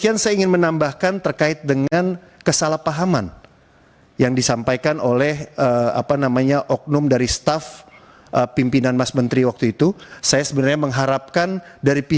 ini perlu ada ketepatan waktu perkara